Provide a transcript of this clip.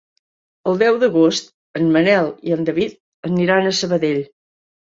El deu d'agost en Manel i en David aniran a Sabadell.